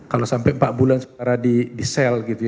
kalau sampai empat bulan sekarang di sel gitu ya